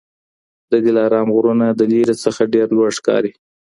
د دلارام غرونه د لیري څخه ډېر لوړ ښکاري.